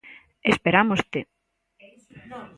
Esperámoste.